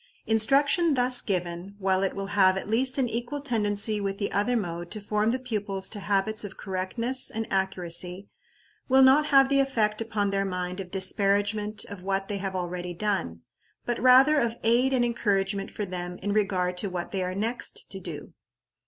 Instruction thus given, while it will have at least an equal tendency with the other mode to form the pupils to habits of correctness and accuracy, will not have the effect upon their mind of disparagement of what they have already done, but rather of aid and encouragement for them in regard to what they are next to do.